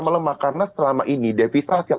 melemah karena selama ini devisa hasil